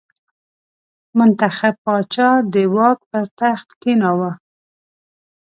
منتخب پاچا د واک پر تخت کېناوه.